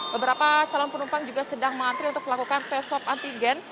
beberapa calon penumpang juga sedang mengantri untuk melakukan tes swab antigen